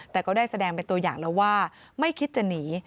แต่ก็ได้แสดงเป็นตัวอย่างแล้วว่าไม่คิดจะหนี